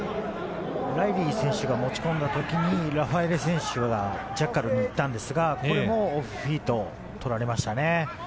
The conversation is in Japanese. ライリー選手が持ち込んだときにラファエレ選手はジャッカルに行ったんですが、これもオフフィートを取られましたね。